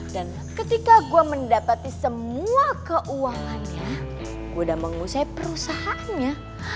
dan ketika gue mendapati semua keuangannya gue udah mengusai perusahaannya